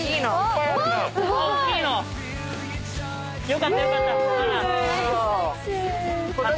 よかったよかった。